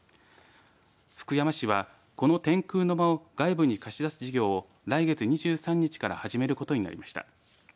福山市はこの天空の間を外部に貸し出す事業を来月２３日から始めることになりました。